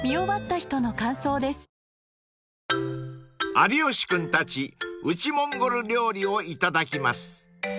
［有吉君たち内モンゴル料理をいただきます］